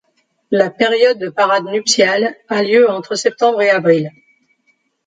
La période de parade nuptiale a lieu entre septembre et avril.